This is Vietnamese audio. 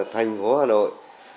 thành phố hà nội